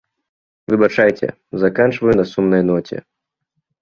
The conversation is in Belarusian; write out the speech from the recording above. Выбачайце, заканчваю на сумнай ноце.